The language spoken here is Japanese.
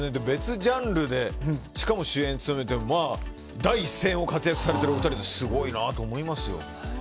別ジャンルでしかも主演を務めて第一線を活躍されてるお二人ですごいなと思いますよ。